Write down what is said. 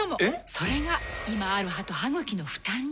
それが今ある歯と歯ぐきの負担に。